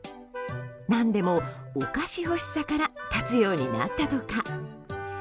何でも、お菓子欲しさから立つようになったとか。